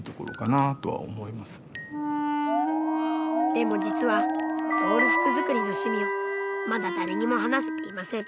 でも実はドール服作りの趣味をまだ誰にも話せていません。